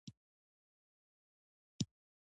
فاریاب د افغانستان د سیاسي جغرافیه برخه ده.